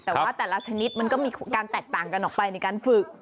แต่ว่าแต่ละชนิดมันก็มีการแตกต่างกันออกไปในการฝึก